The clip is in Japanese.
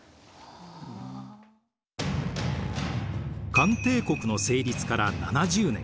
漢帝国の成立から７０年。